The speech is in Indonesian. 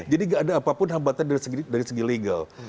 jadi nggak ada apapun hambatan dari segi legal